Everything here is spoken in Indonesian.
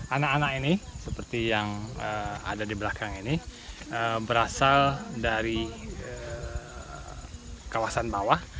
anak anak ini seperti yang ada di belakang ini berasal dari kawasan bawah